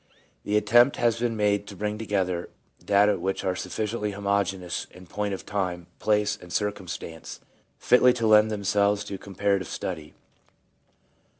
The attempt has been made to bring together data which are sufficiently homogeneous in point of time, place and circumstance fitly to lend themselves to comparative study.